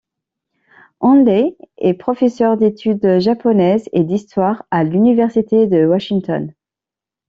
Hanley est professeur d'études japonaises et d'histoire à l Université de Washington.